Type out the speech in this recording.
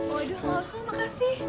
waduh nggak usah makasih